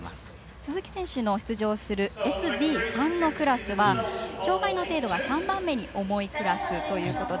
鈴木選手の出場するＳＢ３のクラスは障がいの程度が３番目に重いクラスということで。